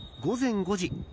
午前５時。